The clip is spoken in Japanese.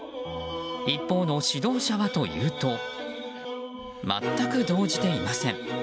一方の指導者はというと全く動じていません。